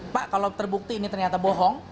pak kalau terbukti ini ternyata bohong